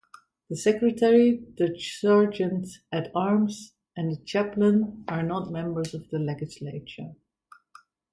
The Secretary, the Sergeant-at-Arms, and the Chaplain are not members of the Legislature.